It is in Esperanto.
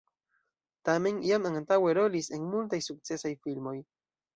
Tamen jam antaŭe li rolis en multaj sukcesaj filmoj.